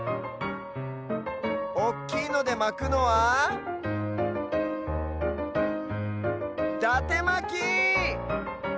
おっきいのでまくのはだてまき！